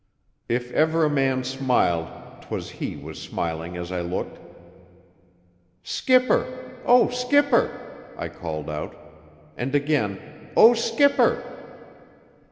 If ever a man smiled, 'twas he was smiling as I looked. "Skipper! O skipper!" I called out; and again: "O skipper!"